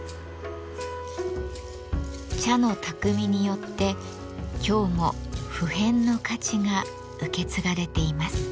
茶の匠によって今日も不変の価値が受け継がれています。